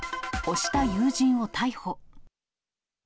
押した友人を逮捕。